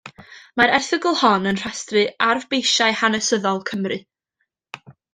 Mae'r erthygl hon yn rhestru rhai arfbeisiau hanesyddol Cymru.